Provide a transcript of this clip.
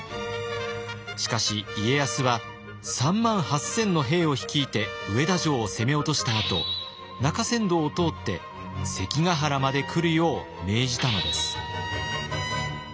しかし家康は３万８，０００の兵を率いて上田城を攻め落としたあと中山道を通って関ヶ原まで来るよう命じたのです。